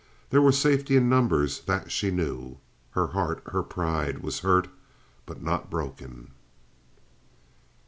There was safety in numbers—that she knew. Her heart, her pride, was hurt, but not broken.